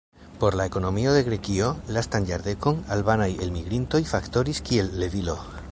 Por la ekonomio de Grekio, lastan jardekon, albanaj elmigrintoj faktoris kiel levilo.